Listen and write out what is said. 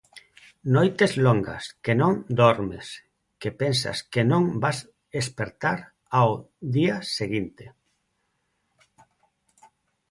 Noites longas que non dormes, que pensas que non vas espertar ao día seguinte.